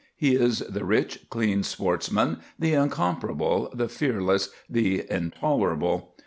He is the rich, clean sportsman, the incomparable, the fearless, the intolerable.